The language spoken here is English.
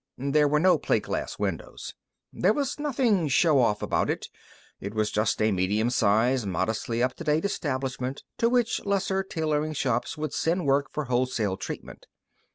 There were no plate glass windows. There was nothing show off about it. It was just a medium sized, modestly up to date establishment to which lesser tailoring shops would send work for wholesale treatment.